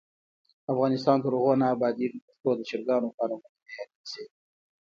افغانستان تر هغو نه ابادیږي، ترڅو د چرګانو فارمونه معیاري نشي.